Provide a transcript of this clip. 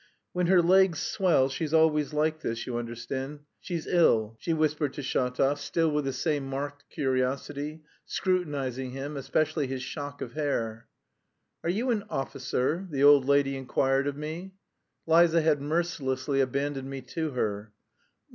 "When her legs swell, she's always like this, you understand she's ill," she whispered to Shatov, still with the same marked curiosity, scrutinising him, especially his shock of hair. "Are you an officer?" the old lady inquired of me. Liza had mercilessly abandoned me to her.